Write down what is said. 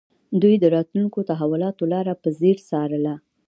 دوی د راتلونکو تحولاتو لاره په ځیر څارله